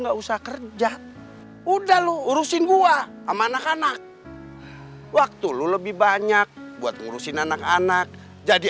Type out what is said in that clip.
enggak usah kerja udah lu urusin gue sama anak anak waktu lo lebih banyak buat ngurusin anak anak jadi